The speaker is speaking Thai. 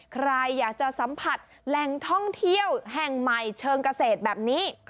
ใครอยากจะสัมผัสแหล่งท่องเที่ยวแห่งใหม่เชิงเกษตรแบบนี้